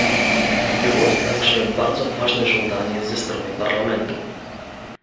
Było to także bardzo ważne żądanie ze strony Parlamentu